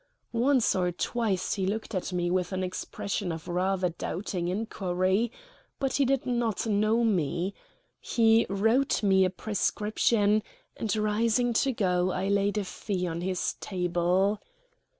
Once or twice he looked at me with an expression of rather doubting inquiry; but he did not know me. He wrote me a prescription, and, rising to go, I laid a fee on his table.